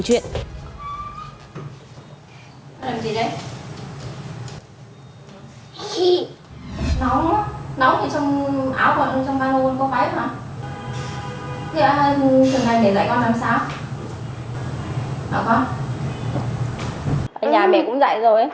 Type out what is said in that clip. thử thay cho